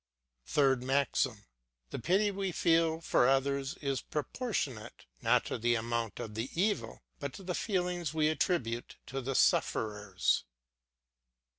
THIRD MAXIM. The pity we feel for others is proportionate, not to the amount of the evil, but to the feelings we attribute to the sufferers.